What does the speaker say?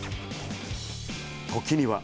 時には。